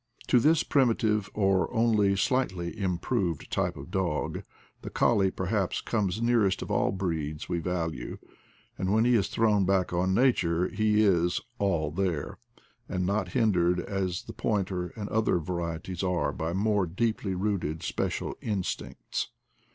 To this primitive, or only slightly improved type of dog, the colley perhaps comes nearest of all the breeds we value; and when he is thrown back on nature he is "all there, " and not hindered as the pointer and other varieties are by more deeply rooted special in stincts.